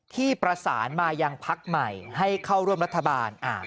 ที่ประสานมายังพักใหม่ให้เข้าร่วมรัฐบาล